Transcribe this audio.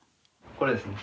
これですね。